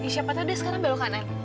siapa tau deh sekarang belok kanan